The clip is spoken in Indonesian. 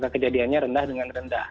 kejadiannya rendah dengan rendah